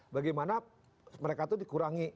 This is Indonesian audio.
bagaimana mereka tuh dikurangi